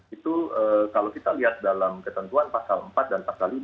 itu kalau kita lihat dalam ketentuan pasal empat dan pasal lima